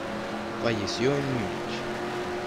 Falleció en Múnich.